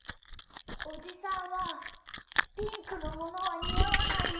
おじさんはピンクのものはにあわないよ。